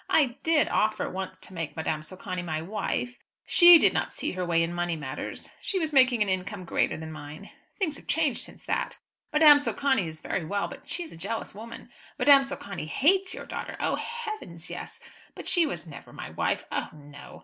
I did offer once to make Madame Socani my wife. She did not see her way in money matters. She was making an income greater than mine. Things have changed since that. Madame Socani is very well, but she is a jealous woman. Madame Socani hates your daughter. Oh, heavens, yes! But she was never my wife. Oh, no!